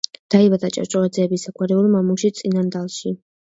დაიბადა ჭავჭავაძეების საგვარეულო მამულში, წინანდალში.